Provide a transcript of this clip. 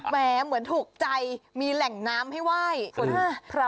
แม้เหมือนถูกใจมีแหล่งน้ำให้ไหว้พระ